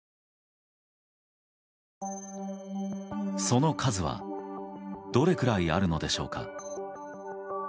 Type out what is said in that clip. その数はどれくらいあるのでしょうか。